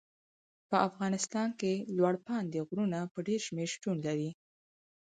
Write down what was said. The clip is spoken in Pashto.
په افغانستان کې لوړ پابندي غرونه په ډېر شمېر شتون لري.